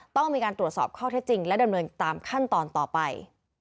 ต้องมีการตรวจสอบข้อเท็จจริงและดำเนินตามขั้นตอนต่อไป